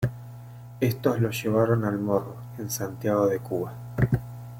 Estos lo llevaron al Morro, en Santiago de Cuba.